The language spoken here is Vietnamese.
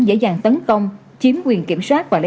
dễ dàng tấn công chiếm quyền kiểm soát